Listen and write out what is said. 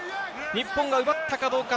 日本が奪ったかどうか。